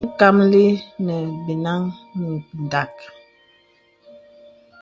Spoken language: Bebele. Məkàməlì nə̀ bə̀nəŋ mindàk.